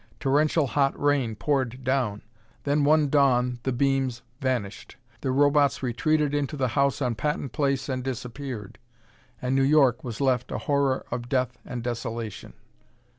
Torrential hot rain poured down. Then, one dawn, the beams vanished; the Robots retreated into the house on Patton Place and disappeared; and New York was left a horror of death and desolation.